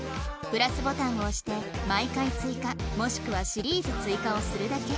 プラスボタンを押して「毎回追加」もしくは「シリーズ追加」をするだけ